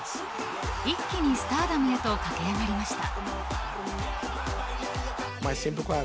一気にスターダムへと駆け上がりました。